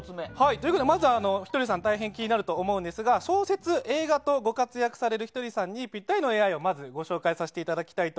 まずはひとりさん、大変気になるかと思うんですが小説、映画とご活躍されるひとりさんにぴったりのＡＩをご紹介します。